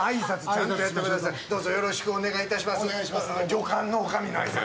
旅館の女将の挨拶。